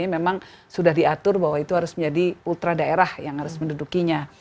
memang sudah diatur bahwa itu harus menjadi ultra daerah yang harus mendudukinya